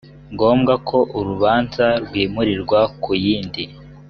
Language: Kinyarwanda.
ngombwa ko urubanza rwimurirwa ku yindi